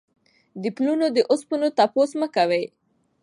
د پلونو د اوسپنو تپوس مه کوئ.